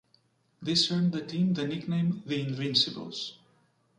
This earned the team the nickname "The Invincibles".